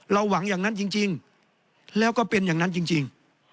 เราหวังอย่างนั้นจริงจริงแล้วก็เป็นอย่างนั้นจริงจริง